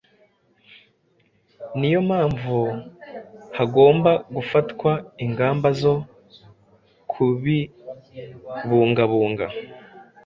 ni yo mpamvu hagomba gufatwa ingamba zo kubibungabunga.